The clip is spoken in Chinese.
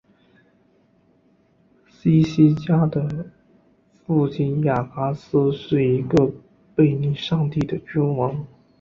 希西家的父亲亚哈斯是一个背逆上帝的君王。